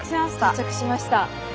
到着しました。